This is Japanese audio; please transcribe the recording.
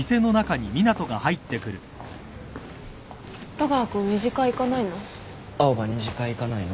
戸川君２次会行かないの？